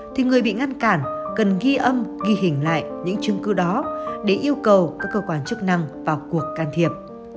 thì người bị ngăn cản cần ghi âm ghi hình lại những chứng cứ đó để yêu cầu các cơ quan chức năng vào cuộc can thiệp